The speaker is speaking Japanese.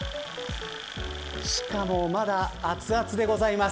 しかも、まだ熱々でございます。